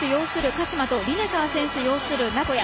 鹿島とリネカー選手擁する名古屋。